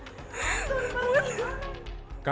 tidak ada orang tidak ada orang